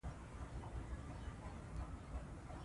یورانیم د افغانستان په اوږده تاریخ کې ذکر شوی دی.